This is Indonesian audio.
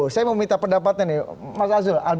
saya mau minta pendapatnya nih mas azul